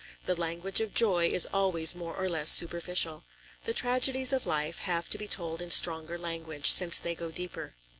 The language of joy is always more or less superficial. The tragedies of life have to be told in stronger language, since they go deeper.